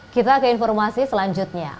kita ke informasi selanjutnya